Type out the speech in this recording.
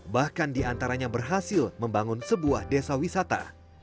bahkan diantaranya berhasil membangun sebuah desa wisata